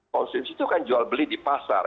konsumsi itu kan jual beli di pasar